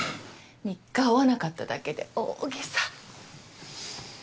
３日会わなかっただけで大げさ。